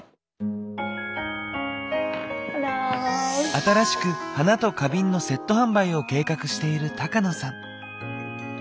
新しく花と花瓶のセット販売を計画している高野さん。